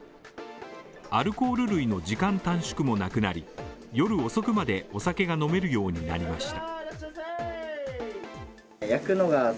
アルコール類の時間短縮もなくなり、夜遅くまでお酒が飲めるようになりました。